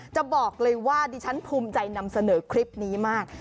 จะบอกเลยว่าดิฉันภูมิใจนำเสนอคลิปนี้มาก